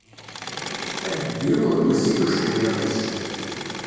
Adebbiw wezzil ujeḥniḍ-is.